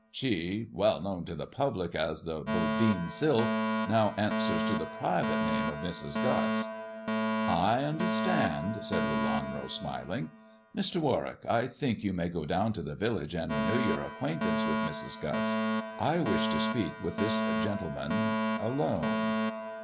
She, well known to the public, as the Boundin* Sylph, now answers to the private name of Mrs. Guss." " I understand," said Lelanro, smiling. " Mr. Warwick, I think you may go down to the village and renew your acquaintance with Mrs. Guss. I wish to speak with this gentleman — alone.